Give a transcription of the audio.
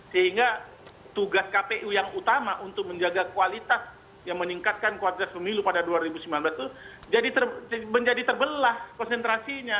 sehingga tugas kpu yang utama untuk menjaga kualitas yang meningkatkan kualitas pemilu pada dua ribu sembilan belas itu menjadi terbelah konsentrasinya